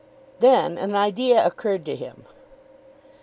Then an idea occurred to him.